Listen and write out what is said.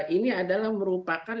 ini adalah merupakan